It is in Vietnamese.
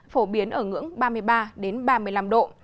phổ biến ở ngưỡng ba mươi ba ba mươi năm độ